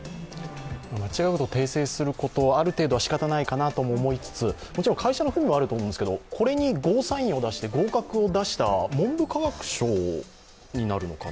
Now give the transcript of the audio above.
間違うことを訂正することある程度はしかたないかなとは思いつつ、もちろん会社の不備があると思うんですけど、これにゴーサインを出して、合格を出した文部科学省になるのかな、